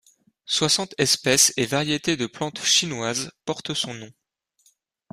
Soixante espèces et variétés de plantes chinoises portent son nom.